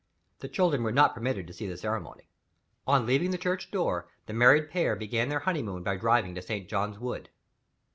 The children were not permitted to see the ceremony. On leaving the church door, the married pair began their honeymoon by driving to St. John's Wood.